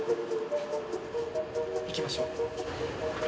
行きましょう。